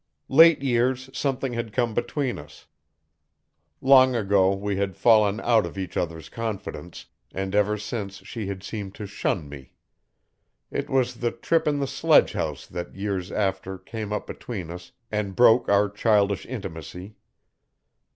Late years something had come between us. Long ago we had fallen out of each other's confidence, and ever since she had seemed to shun me. It was the trip in the sledgehouse that' years after, came up between us and broke our childish intimacy.